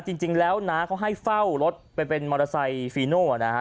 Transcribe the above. จริงแล้วน้าเขาให้เฝ้ารถไปเป็นมอเตอร์ไซค์ฟีโน่นะฮะ